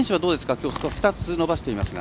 きょう、２つ伸ばしていますが。